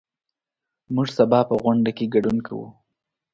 موږ سبا په غونډه کې ګډون کوو.